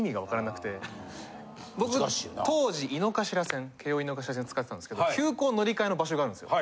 僕当時京王・井の頭線使ってたんですけど急行乗り換えの場所があるんですよ。